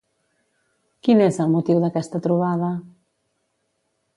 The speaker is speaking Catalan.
Quin és el motiu d'aquesta trobada?